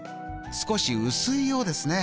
少し薄いようですね。